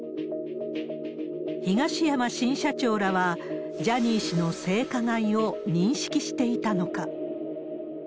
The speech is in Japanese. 東山新社長らは、ジャニー氏の性加害を認識していたのか。